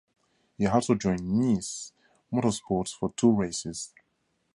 He also joined Niece Motorsports for two races.